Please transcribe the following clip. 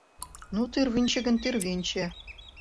Ну тӱрвынчӧ гын, тӱрвынчӧ!